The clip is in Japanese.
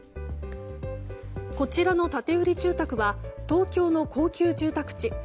こちらの建売住宅は東京の高級住宅地